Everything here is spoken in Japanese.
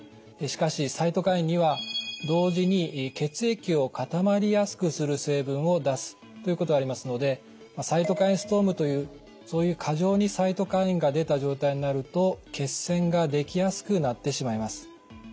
しかしサイトカインには同時に血液を固まりやすくする成分を出すということがありますのでサイトカインストームというそういう過剰にサイトカインが出た状態になると血栓ができやすくなってしまいます。